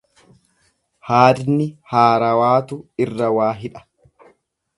Haadni haarawaatu irra waa hidha.